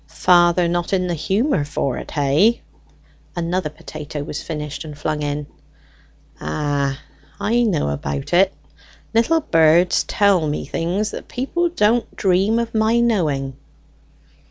"Father not in the humour for't, hey?" Another potato was finished and flung in. "Ah, I know about it. Little birds tell me things that people don't dream of my knowing."